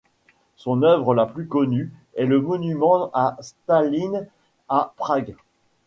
Son œuvre la plus connue est le Monument à Staline à Prague.